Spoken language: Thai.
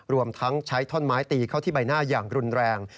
รวมทั้งใช้ท่อนไม้ตีเข้าที่ใบหน้าอย่างรุนแรง